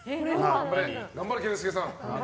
頑張れ、健介さん。